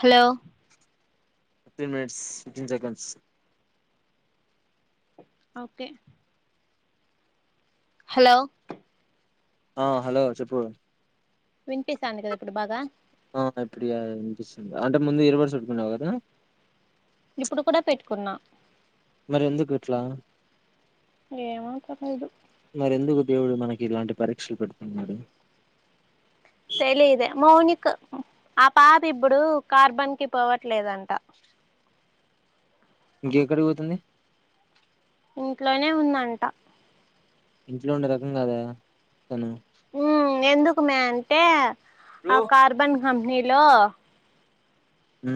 hello fifteen minutes fifteen seconds okay hello ఆ hello చెప్పు వినిపిస్తాంది కదా ఇప్పుడు బాగా ఆ ఇప్పుడు ఇడ వినిపిస్తుంది అంటే ముందు ఇయర్ ఫోన్స్ పెట్టుకున్నావ్ కదా ఇప్పుడు కూడా పెట్టుకున్నా మరి ఎందుకు ఇట్లా ఏమో తెలీదు మరి ఎందుకు దేవుడు మనకి ఇలాంటి పరిక్ తెలిదే మౌని క ఆ పాప ఇప్పుడు కార్బన్ కి పోవట్లేదంట ఇంకేక్కడికి పోతుంది ఇంట్లోనే ఉందంట ఇంట్లో ఉండే రకం కాదే ఊ ఎందుకు మే అంటే ఆ బ్రో కార్బన్ కంపెనీ లో హు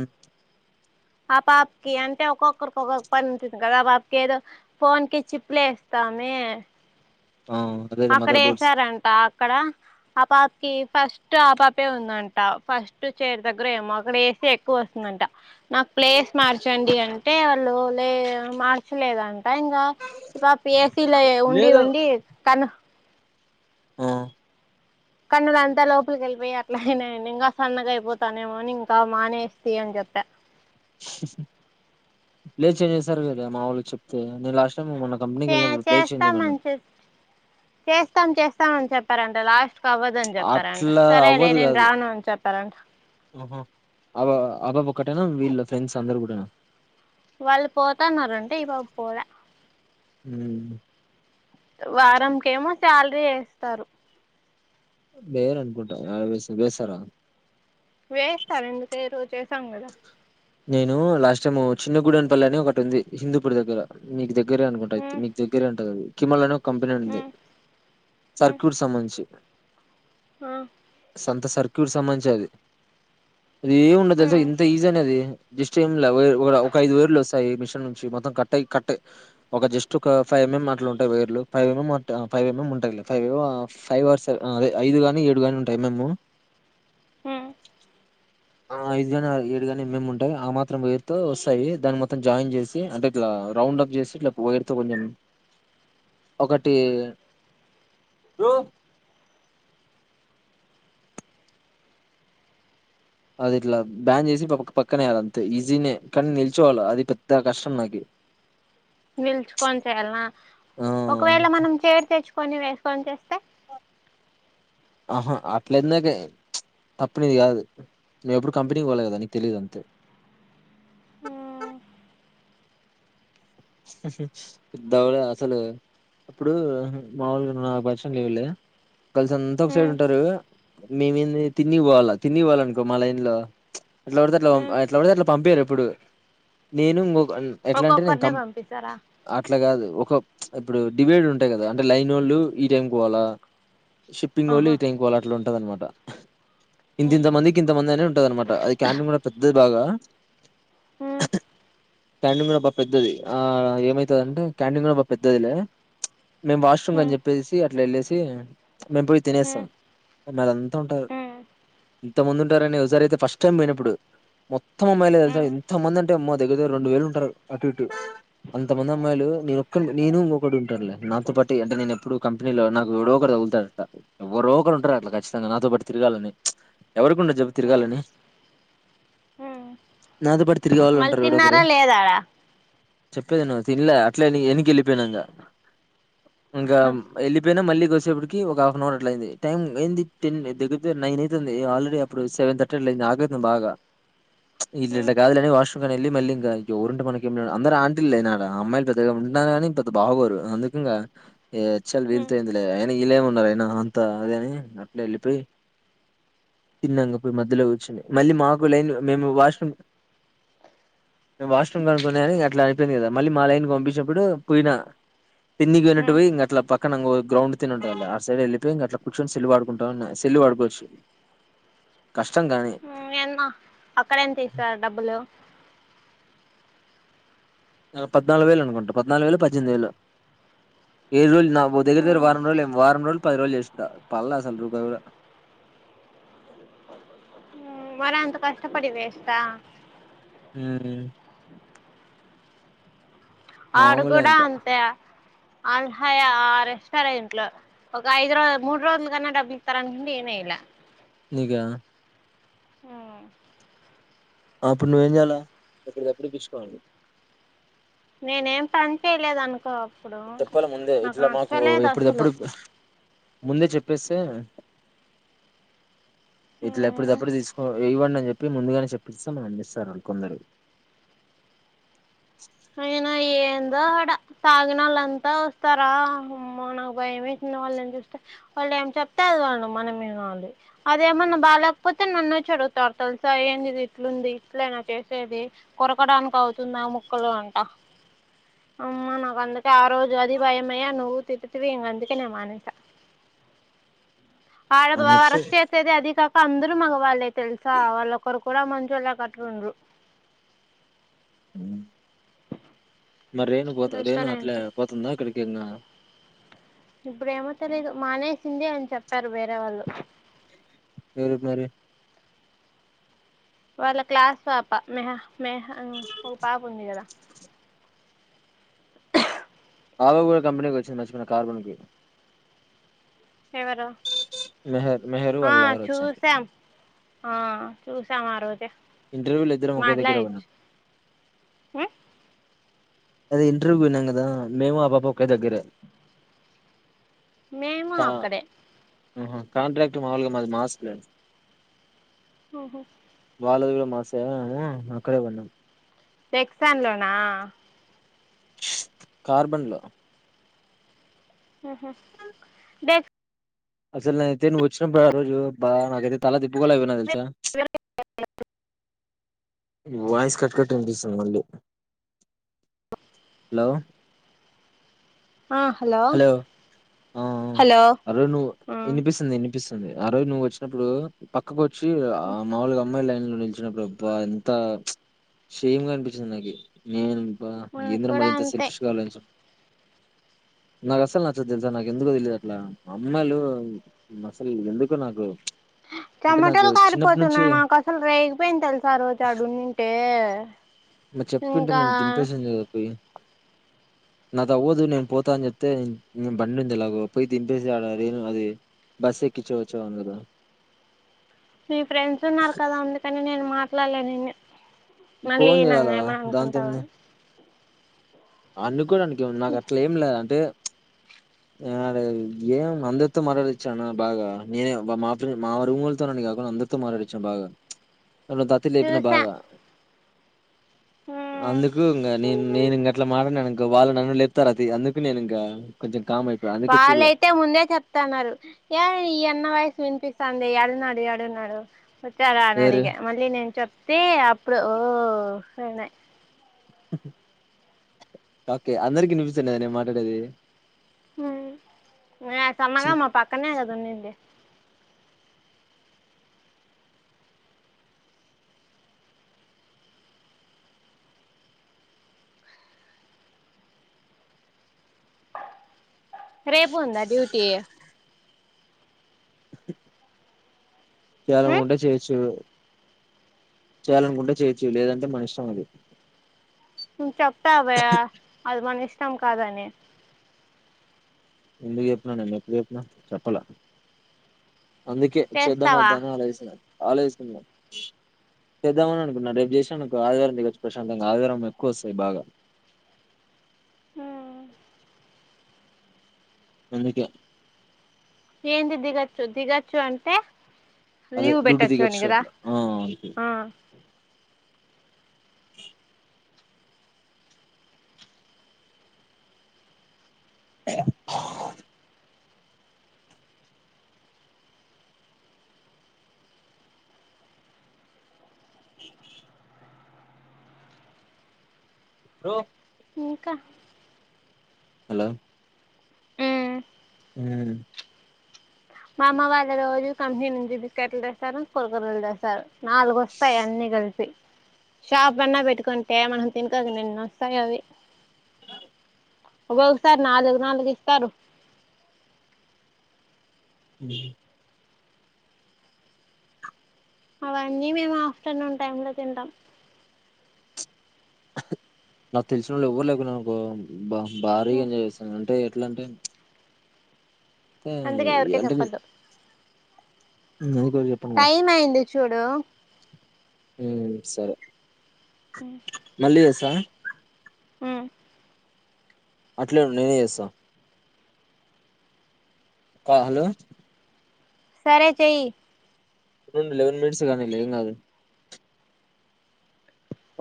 ఆ పాపకి అంటే ఒక్కొక్కరికి ఒక్కొక్క పని ఉంటుంది కదా ఆ పాపకి ఏదో ఫోన్ కి చిప్పులేస్తామే ఆ అదేలే అక్కడ మదర్ బోర్డ్స్ వేసారంట అక్కడ ఆ పాప చైర్ కీ ఫస్ట్ ఆపాపే ఉందంట ఫస్ట్ చైర్ దగ్గర ఏమో అక్కడ ఏసీ ఎక్కువ వస్తుందంట నాకు ప్లేస్ మార్చండి అంటే వాళ్ళు లే మార్చలేద అంట లేదంట ఇన్గా ఈ పాప ఏసీలో ఉండి లేదు ఉండి కను ఆ కన్నులంతా లోపలికి వెళ్ళిపోయి అట్లా అయినాయండి ఇంకా సన్నగా అయిపోతానేమో అని ఇంకా మానేస్తి అని చెప్పా లేదు చేసేసారు కదా మా వాళ్ళకి చెప్తే నేను లాస్ట్ టైం మొన్న కంపెనీకి చే వెళ్ళినప్పుడు ప్లేస్ చేంజ్ చేస్తాం చేయమన్నా మంచి చేస్తాం చేస్తాం చేస్తామని చెప్పారంట లాస్ట్ లాస్ట్ అవ్వదని చెప్పారంట అట్లా సరేలే నేను రాను అని చెప్పా కరెంట్ ఓ హో ఆ పా ఆ పాప ఒకటేనా వీళ్ళ ఫ్రెండ్స్ అందరు కూడానా వాళ్ళు పోతన్నరంట ఈ పాప పోలే హు వారంకేమో శాలరీ యేస్తారు బేర అనుకుంటా వే బేసారా వేస్తారు ఎందుకెయరు చేసాం గదా నేను లాస్ట్ టైమ్ చిన్న గుూడని పల్లిని ఒకటి ఉంది హిందూపూర్ దగ్గర మీకు దగ్గర ద్గర అనుకుంటా తె ఉమ్ మీకు దగ్గరే అంట అది కిమలను కంపెనీ ఉంది ఉమ్ ఉమ్ సర్క్యూట్ సంబంధించి ఆ కొంత సర్క్యూట్ సంబంధించి అది అది ఏమి ఉండదు తెలుసా ఉమ్ ఇంత ఈజీ అని అది జస్ట్ ఏం లా ఒక ఐదు వేర్లు వస్తాయి మిషన్ నుంచి మొత్తం కట్ కట్ ఒక జస్ట్ ఒక ఫైవ్ ఎంఎం అట్లు ఉంటాయి వైర్లు ఫైవ్ ఎంఎం ఫైవ్ ఎంఎం ఉంటాయి ఫైవ్ ఫైవ్ అవర్స్ అదే ఐదు గాని ఏడు గాని ఉంటా ఎంఎం హు ఆ ఐదుగాని ఏడుగానీ మేముంటే ఆ మాత్రం వైరుతో వస్తాయి దాన్ని మొత్తం జాయిన్ చేసి అంటే ఇట్లా రౌండ్ అప్ చేసి ఇలా కూలర్ తో కొంచెం ఒకటి అది ఇట్లా బ్యాన్ చేసి ప పక్కనేయ్యాలి అంతే ఈజీనే కానీ నిల్చోవాల అది పెద్ద కష్టం నాకి నిలుచుకొని చేయాలనా ఆ ఒకవేళ మనం చైర్ తెచ్చు కొని వేసుకొని చేస్తే ఆహా అట్లాందకే తప్పు నీది కాదు నువ్వు ఎప్పుడు కంపెనీకి పోవాలి కదా నీకు తెలిదు అంతే ఉమ్ హు పెద్దగా అసలు ఇప్పుడూ మామూలుగా నువ్వు నాకు పరిచయం లేవు లే గర్ల్స్ అంతా ఒకే సైడ్ ఉమ్ ఉంటారు మేము ఏంది తిన్నీకి పోవాలా తిన్నీకి పోవాలే అనుకో మా లైన్లో చుప్ ఉమ్ ఎట్లపడితే అట్లా పంపియ్యారు ఎప్పుడు నేను ఎట్లాంటే నేను ఒక్కొక్కరినే కం పంపిస్తారా అట్లాగాదు ఒకప్పు ఇప్పుడు డివైడర్ ఉంటాయి కదా అంటే లైనోళ్ళు ఈ టైంకి పోవాలా షిప్పంగోళ్ళు ఆహా ఈ టైంకి పోవాళ్ల అట్లా ఉంటదన్నమాట ఇంత ఉమ్ ఇంత మందికి ఇంతమంది అనే ఉంటది అన్నమాట అది క్యాంటీన్ కూడా పెద్దది బాగా మ్ క్యాంటీన్కూడా బాగా పెద్దది ఆ ఏమైతదంటే క్యాంటీన్ కూడా బాగా పెద్దదిలే మేము వాష్రూమ్ అని ఉమ్ చెప్పేసి అట్లెల్లేసి చుప్ మేం పోయి ఉమ్ తినేస్తాం అమ్మాయిలు అంత ఉంటారు ఉమ్ ఇంత మంది ఉంటారు అని ఓ సారి ఐతే ఫస్ట్ టైమ్ పోయినప్పుడు మొత్తం అమ్మాయిలే తెలుసా ఉమ్ ఇంత మంది అంటే హమ్మ దగ్గర దగ్గర రెండు వేలు ఉంటారు అటు ఇటు అంతమంది అమ్మాయిలు నేనొక్కనే నేను ఇంకొకడు ఉంటారులే నాతో పాటే అంటే నేను ఎప్పుడు కంపెనీలో నాకు ఎవడో ఒకడు తదులుతాడట ఎవరో ఒకరు ఉంటారు అట్లా ఖచ్చితంగా నాతో పాటి తిరగాలని ఎవరికి ఉండదు చెప్పు ఉమ్ తిరగాలని ఉమ్ నాతో పాటు తిరిగే మళ్ళీ వాళ్ళుంటారు ఎవడో ఒకరు తిన్నారా లేదా ఆడ చెప్పేది విను తిన్లా అట్లా వెనక్కి వెళ్ళిపోయినా ఇంగ ఇంకా వెళ్ళిపోయినా మళ్ళీకి వస్త వచ్చేటప్పటికి ఒక హాఫ్ అన్ అవర్ అట్లా అయింది టైమ్ ఏంది టెన్ దగ్గరతే నైన్ అవుతుంది ఆల్రెడీ అప్పుడు సెవెన్ థర్టీ అట్ల అయింది ఆకలి అయితుంది బాగా ఇది ఇట్ల ఉమ్ కాదు గానీ వాష్ మళ్ళీ మళ్ళీ ఇంకా ఎవరు ఉంటే మనకి అందరు ఆంటీలు ఆ నాడ అమ్మాయిలు పెద్దగా ఉన్న కాని పెద్దగా బాగోరు అందుకు ఇంకా ఏ చల్ ఉమ్ వీళ్ళతొందిలే ఐన ఇల్లేమో ఎవరైనా అంత అదే అని అట్లే ఎల్లిపోయి తిన్నాంక పోయి మధ్యలో కూర్చుని మళ్ళీ మాకు లైన్ మేము వాష్రూమ్ వాష్రూమ్ అనుకొని గాని ఇట్లా అయిపోయింది కదా మళ్ళీ మా లైన్ కి పంపించినప్పుడు పోయినా తిన్నికి పోయినట్టు ఉమ్ పోయి ఇంక అట్లా పక్ అక్కడ ను గ్రౌండ్ తీరు ఉంటది ఆ సైడ్ వెళ్ళిపోయి ఇంకా అట్లా కూర్చొని సెల్ వాడుకుంటా ఉన్నా సెల్ వాడుకోవచ్చు కష్టం కానీ నేన్న అక్కడ ఎంత ఇస్తారు డబ్బులు పద్నాలుగు వేలు అనుకుంటా పద్నాలుగు వేలో పద్దెనిమిది వేలో ఏడు రోజులు నా దగ్గర దగ్గర ఉమ్ వారం రోజులు ఏ వారం రోజులు పది రోజులు చేసిన పల్లా అసల్ రూపాయి కూడా ఉమ్ మరి అంత కష్టపడి వెస్టా ఉహు ఆడు మామూలే కూడా ఇంకా అంతే అల్హాయ ఆ రెస్టారెంట్ లో ఒక ఐదు రోజు మూడు రోజుల కన్నా డబ్బు ఇస్తారండి ఇయానే ఇయలా నీకా ఉమ్ ఆ అప్పుడు నువ్వేం చేయాలా ఎప్పటికప్పుడు చూపిచుకోవాలి నేనేం పని చేయలేదు అనుకో అప్పుడు చెప్పాలి ముందే నాకు ఇట్లా మాకు నచ్చలేదు ఎప్పుడి అసలు తప్పుడు ముందే చెప్పేస్తే ఇట్లా ఎప్పుడు తప్పుడు తీసుకో ఇవ్వండి చెప్పి ముందుగానే చెప్పిస్తా మ అందిస్తారు వాళ్ళ కొందరు అయినా ఏందో అడా తాగిన వాళ్ళంతా వస్తారా నాకు భయంమ వేసింది వాళ్ళ ఏం చూస్తే వాళ్ళు ఏం చెప్తే అది వాళ్ళు మనం వినాలి అదేమన్నా బాగాలేకపోతే నన్న చడుగుతారు తెలుసా ఏంటి ఇది ఇట్లుంది ఇట్లయినా చేసేది కొరకడానికి అవుతుందా కొల్ంట అమ్మా నాకు వ ఆ రోజు అది భయమై నువ్వు ఇవి అందుకేనేే మానేస్త ఆ అని బ చెప్పి రక్త ఇతతే అదిిక అందరూ మగవాళ్ళే తెలుసా వాళ్ళొ ఒకరు కూడా మంచోళ్లకు అట్లా ఉండరు అ మరి రేణు పోత రేణు అట్లా రెస్టారెంట్ పోతుందా అక్కడికి ఇకా ఇప్పుడు ఏమో తెలీదు మానేసింది అని చెప్పారు వేరే వాళ్ళు ఎవరుపు మరి వాళ్ళ క్లాస్ పాప మెహ మేహ పాప ఉంది కదా ఆమె కూడా కంపెనీకి వచ్చింది నచ్చున కార్బన్కి ఎవరు మెహర్ మెహర్ ఆ వాళ్ళ లవర్ వచ్చారు చూసాం ఆ చూసాం ఆ రోజే ఇంటర్వ్యూ లో ఇద్దరం ఓకే దగ్గర ఉన్నాం మాట్లాడచ్చు అదే ఇంటర్వ్యూకు పోయినం కదా మేము ఆ పాప ఒకే దగ్గరే మేము ఆ అక్కడే ఆహా కాంట్రాక్ట్ మాములుగా మాది మాస్క్ లే ఓహో వాళ్ళది కూడా మాసైడ్ అక్కడే పన్నం టెక్సాన్ లోనా కార్బన్ లో ఊహు దే అసలు నేనయితే నువ్వు వచ్చినప్పుడు ఆ రోజు బా నాకైతే తల తిప్పుకొలక పోయినా ఇంక వాయిస్ కట్ కట్ వినిపిస్తుంది మళ్ళీ హలో హలో ఆ హలో హాలో నువ్వు ఆ వినిపిస్తుంది వినిప్ వినిపిస్తుంది ఆ రోజు నువ్వు వచ్చినప్పుడు పక్కకు వచ్చి వచ్చి మాముూలుగా అమ్మాయిలైన్ లైన్లో నిలిచినప్పుడు అబ్బా ఎంత షేమ్ గా అనిపించింది నాకు నేను అబ్బా మాకు ఏంద్ర కూడా మరి ఇంత అంతే సెల్ఫిష్గా ఆలోచిన్ నాకు అస్సలు నచ్చదు తెలుసా నాకు ఎందుకో తెలియదు అట్లా అమ్మాయిలు అసలు ఎందుకో నాకు అంటే నాకు చమటలు చిన్నప్పటి నుంచి కారిపోతున్నాయి నాకు అసలు రేగిపోయింది తెలుసా ఆ రోజూ ఆడ ఉన్నింటే మరి చెప్పింటే నేను దింపేసిందు కద పోయి నాతో అవ్వదు నేను పోతా అని చెప్తే బండి ఉంది ఎలాగో పోయి దింపేసి ఆడను అది బస్ ఎక్కించి వచ్చేవాన్ని కదా మీ ఫ్రెండ్స్ ఉన్నారు కదా అందుకని నేను మాట్లాడలే నిన్ను మళ్ళీ ఫోన్ నన్ను చేయాలా ఏమని దాంట్లో ఏమంది అనుకుంటావని అందుకూడా నాకు అట్లా ఏం లే అంటే ఆడ ఏం అందరితో మాటడిచ్చాను బాగా నేనే మా ఫ మా రుమొల్లతోనే కాకుండా అందరితో మాటడిచ్చాను బాగా అ దత్తిలు లేపిన చూసా బాగా మ్మ్ అందుకు ఇంగ నేను నేనింగ అట్లా మాటడిను ఇంక వాళ్ళు నన్ను లేపుతారు అతి అందుకు నేను ఇంక కొంచెం కామ్ అయిపోయా అందుకే చూడలే వాళ్ళైతే ముందే చెప్తాన్నారు ఏ ఈ యన్న వాయిస్ వినిపిస్త వినిపిస్థాన్దే యాడున్నాడు యాడున్నాడు వచ్చారాని ఎవరు అడిగే మళ్ళీ నేను చెప్తే అప్పుడు ఓ వేరున్నాయి ఓకే అందరికిీ వినిపిస్తాది కదా నేను మాట్లాడేది ఒగ యప్ప సన్న చి- మా పక్కనే కదా ఉన్నింది రేపు ఉంద డ్యూటీ ఆ చేయాలనుకుంటే చేయొచ్చు చేయాలనుకుంటే చేయచ్చు లేదంటే మన ఇష్టం అది చెప్తా అవయ అది మనిష్ ఇం కాదనేే ఎందుకు చెప్పిన నేను ఎప్పుడు చెప్పిన చెప్పలే అందుకే క్షేద్దమ చేస్తావా వుద్దా అని ఆలోచిస్తున్న ఆలోచిస్తున్నా చేద్దామని అనుకున్న రేపు చేసినాన్ అనుకో ఆదివారం దిగొచ్చు ప్రశాంతంగా ఆదివారం ఎక్కువ వస్తాయి బాగా అందుకే ఏంది దిగచ్చు దిగచ్చు అంటే అదే లీవ్ డ్యూటీ పెట్టచ్చు అని దిగొచ్చు కదా అట్లా ఆ అంతే ఆ బ్రో ఇంకా హలో ఉమ్ హు మా అమ్మ వాళ్ళు రోజు కంపెనీ నుంచి బిస్కెట్లు తెస్తారు కుర్కుర్లు తెస్తారు నాలుగు వస్తాయి అన్ని కలిసి షాప్ అన్నా పెట్టుకుంటే మనం తినకోకుండా ఎన్ని వస్తాయో అవి ఓగోగా సారీ నాలుగు నాలుగు ఇత్తరు అవన్నీ మేము ఆఫ్టర్నూన్ టైమ్ లో తింటాం నాకు తెలిసిన వొళ్ళు ఎవరు లేకపోయినారు అనుకో భారీగా ఎంజాయ్ చేస్తాను అంటే ఎట్లా అంటే అందుకే ఎవరికే చెప్పద్దు అ టైం అయింది చూడు హుం సరే మళ్ళీ వస్స ఆ అట్లే ఉండు నేనే చేస్తా కా హలో సరే చెయ్య [unintelligible] లెవెన్ మినిట్స్ కానీ లే ఏం కాదు కానీ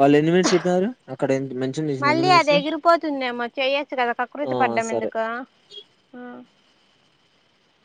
వాళ్ళు ఎన్ని మినిట్స్ చెప్పినారు అక్కడ ఎంత మెన్షన్ చేసింది ఎన్ని మళ్ళీ అది మినిట్స్ ఎగిరిపోతుందేమో చేయొచ్చు కదా ఆ కకృతి పడ్డం సరే ఎందుకు